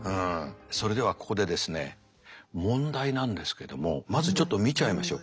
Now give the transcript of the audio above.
それではここでですね問題なんですけどもまずちょっと見ちゃいましょう。